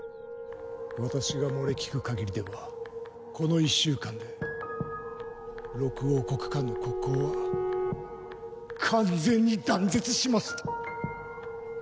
私が漏れ聞く限りではこの１週間で６王国間の国交は完全に断絶しました。